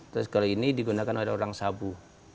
terus kalau ini digunakan oleh orang sabu